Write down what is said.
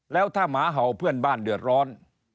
แล้วถ้าหมาเห่าเพื่อนบ้านเดือดร้อน